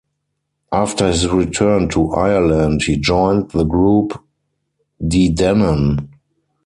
After his return to Ireland, he joined the group De Dannan.